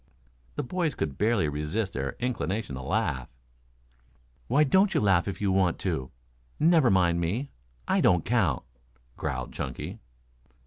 The boys could barely resist their inclination to laugh. "Why don't you laugh if you want to? Never mind me. I don't count," growled Chunky.